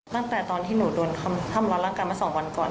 หรรตอนที่หนูจนทำทำร้านรักการไปสังวันก่อน